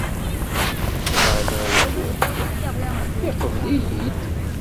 Lameɛna Illu iqebl-iyi-d.